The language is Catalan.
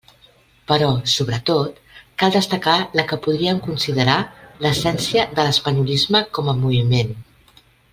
Però, sobretot, cal destacar la que podríem considerar l'essència de l'espanyolisme com a moviment.